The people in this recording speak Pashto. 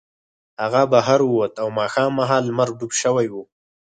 هغه بهر ووت او ماښام مهال لمر ډوب شوی و